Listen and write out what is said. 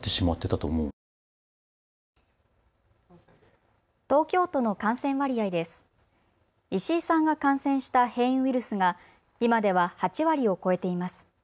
石井さんが感染した変異ウイルスが今では８割を超えています。